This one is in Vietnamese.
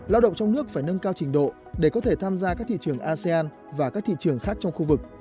lao động trong nước phải nâng cao trình độ để có thể tham gia các thị trường asean và các thị trường khác trong khu vực